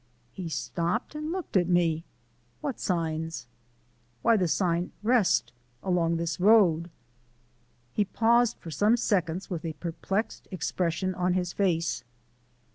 He stopped and looked at me. "What signs?" "Why the sign 'Rest' along this road." He paused for some seconds with a perplexed expression on his face.